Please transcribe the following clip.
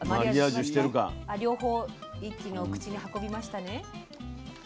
両方一気にお口に運びましたね。